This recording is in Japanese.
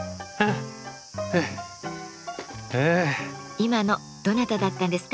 今のどなただったんですか？